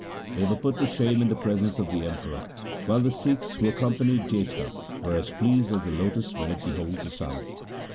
They were put to shame in the presence of the Emperor, while the Sikhs who accompanied Jetha were as pleased as the lotus when it beholds the sun.